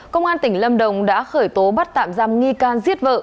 công an tỉnh lâm đồng đã khởi tố bắt tạm giam nghi can giết vợ